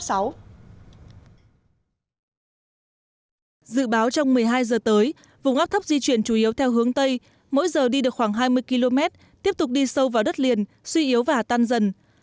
dự báo trong một mươi hai giờ tới vùng áp thấp di chuyển chủ yếu theo hướng tây mỗi giờ đi được khoảng hai mươi km tiếp tục đi sâu vào đất liền suy yếu và tan dần